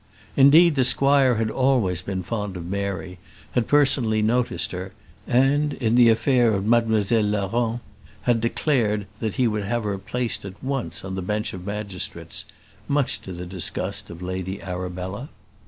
Indeed, the squire had always been fond of Mary, had personally noticed her, and, in the affair of Mam'selle Larron, had declared that he would have her placed at once on the bench of magistrates; much to the disgust of the Lady Arabella.